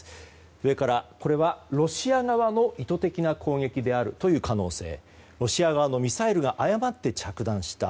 上から、これはロシア側の意図的な攻撃であるという可能性ロシア側のミサイルが誤って着弾した。